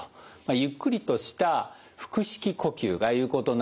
ゆっくりとした腹式呼吸が有効となるんです。